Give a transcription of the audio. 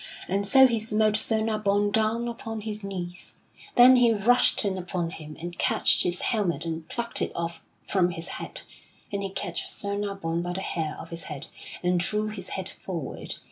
And so he smote Sir Nabon down upon his knees. Then he rushed in upon him and catched his helmet and plucked it off from his head. And he catched Sir Nabon by the hair of his head and drew his head forward.